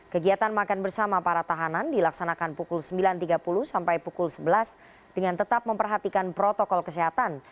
kegiatan makan bersama para tahanan dilaksanakan pukul sembilan tiga puluh sampai pukul sebelas dengan tetap memperhatikan protokol kesehatan